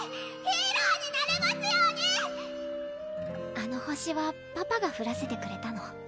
あの星はパパがふらせてくれたの？